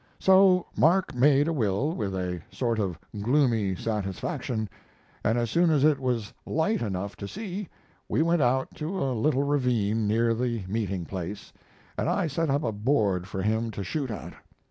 So Mark made a will with a sort of gloomy satisfaction, and as soon as it was light enough to see, we went out to a little ravine near the meeting place, and I set up a board for him to shoot at.